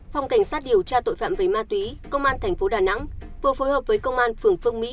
phòng cảnh sát điều tra tội phạm với ma túy công an tp đà nẵng vừa phối hợp với công an phường phương mỹ